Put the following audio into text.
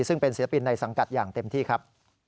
ซึ่งเป็นศิลปินในสังกัดอย่างเต็มที่ครับ